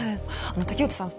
竹内さん